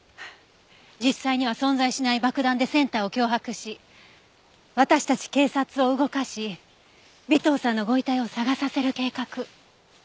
実際には存在しない爆弾でセンターを脅迫し私たち警察を動かし尾藤さんのご遺体を探させる計画。